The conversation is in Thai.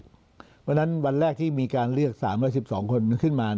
เพราะฉะนั้นวันแรกที่มีการเรียก๓๑๒คนขึ้นมา